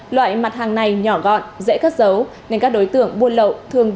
loại mặt hàng này nhỏ gọn dễ cất dấu